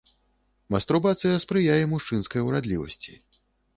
Мастурбацыя спрыяе мужчынскай урадлівасці.